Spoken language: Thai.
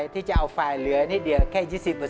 ที่จะเอาไฟล์เหลือกี่แค่๒๐